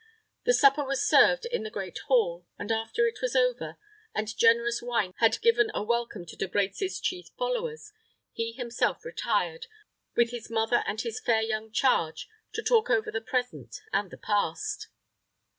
The supper was served in the great hall, and after it was over, and generous wine had given a welcome to De Brecy's chief followers, he himself retired, with his mother and his fair young charge, to talk over the present and the past.